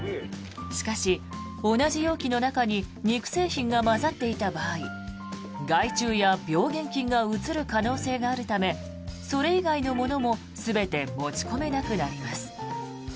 しかし同じ容器の中に肉製品が混ざっていた場合害虫や病原菌がうつる可能性があるためそれ以外のものも全て持ち込めなくなります。